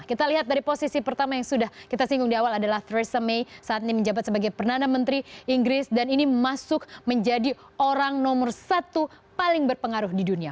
kita lihat dari posisi pertama yang sudah kita singgung di awal adalah thersa may saat ini menjabat sebagai perdana menteri inggris dan ini masuk menjadi orang nomor satu paling berpengaruh di dunia